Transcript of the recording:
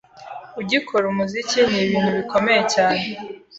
ugikora umuziki ni ibintu bikomeye cyane